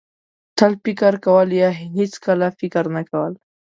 تل فکر کول یا هېڅکله فکر نه کول.